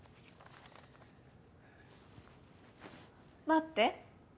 待って。